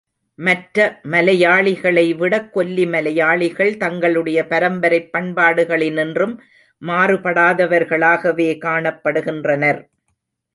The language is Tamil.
மற்ற மலையாளிகளைவிடக் கொல்லி மலையாளிகள் தங்களுடைய பரம்பரைப் பண்பாடுகளினின்றும் மாறு படாதவர்களாகவே காணப்படுகின்றனர்.